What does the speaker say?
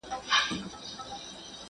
که پوهان متحد سي، نړۍ به بدله کړي.